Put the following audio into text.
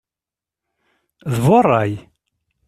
D bu ṛṛay!